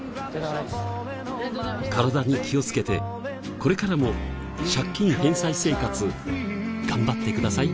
体に気をつけてこれからも借金返済生活頑張ってください